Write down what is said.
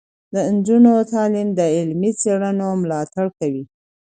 د نجونو تعلیم د علمي څیړنو ملاتړ کوي.